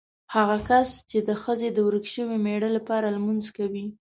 هغه کس چې د ښځې د ورک شوي مېړه لپاره لمونځ کوي.